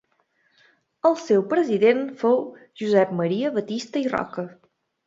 El seu president fou Josep Maria Batista i Roca.